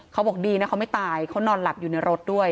เขาบอกดีนะเขาไม่ตายเขานอนหลับอยู่ในรถด้วย